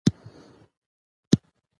آمو سیند د افغانستان د ښکلي طبیعت برخه ده.